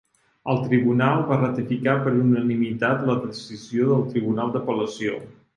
El Tribunal va ratificar per unanimitat la decisió del Tribunal d'Apel·lació.